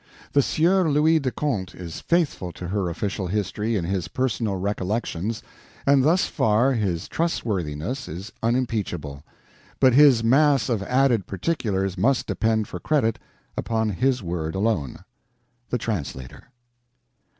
The Sieur Louis de Conte is faithful to her official history in his Personal Recollections, and thus far his trustworthiness is unimpeachable; but his mass of added particulars must depend for credit upon his word alone. THE TRANSLATOR.